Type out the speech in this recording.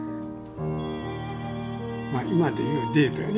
まあ今で言うデートやね。